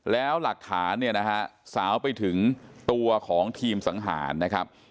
แล้วหลักฐานเนี่ยนะฮะสาวไปถึงตัวของทีมสังหารนะครับ